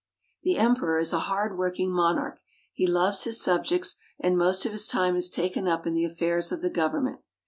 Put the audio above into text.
The Emperor is a hard working monarch. He loves his subjects, and most of his time is taken up in the affairs of the government.